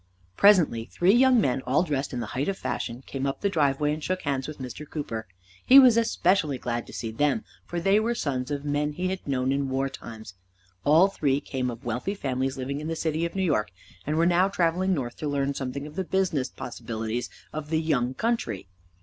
Presently three young men, all dressed in the height of fashion, came up the driveway and shook hands with Mr. Cooper. He was especially glad to see them, for they were sons of men he had known in war times. All three came of wealthy families living in the city of New York, and were now traveling north to learn something of the business possibilities of the young country.